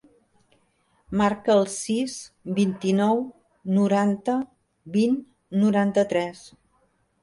Marca el sis, vint-i-nou, noranta, vint, noranta-tres.